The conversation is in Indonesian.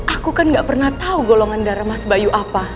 aku kan gak pernah tahu golongan darah mas bayu apa